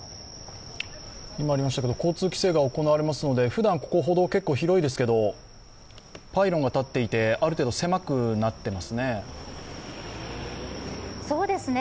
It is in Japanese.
交通規制が行われますのでふだん、ここ通路広いですけどパイロンが立っていてある程度狭くなっていますね。